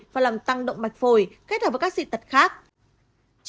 và làm tăng động mạch phổi kết hợp với các dị tật khác